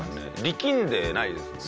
力んでないですもんね。